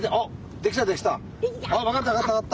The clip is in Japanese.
できた？